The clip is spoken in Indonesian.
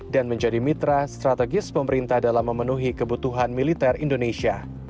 dan menjadi mitra strategis pemerintah dalam memenuhi kebutuhan militer indonesia